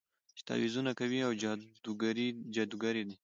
چې تعويذونه کوي او جادوګرې دي.